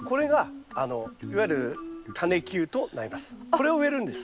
これを植えるんです。